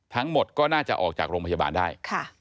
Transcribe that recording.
ทั้งหมดก็น่าจะออกจากโรงพยาบาลได้